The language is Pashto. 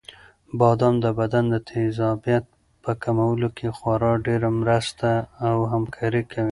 بادام د بدن د تېزابیت په کمولو کې خورا ډېره مرسته او همکاري کوي.